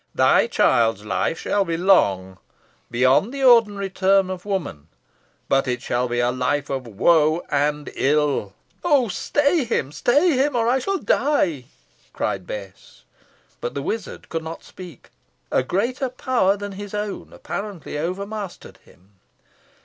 "Thy child's life shall be long beyond the ordinary term of woman but it shall be a life of woe and ill." "Oh! stay him stay him; or I shall die!" cried Bess. But the wizard could not speak. A greater power than his own apparently overmastered him.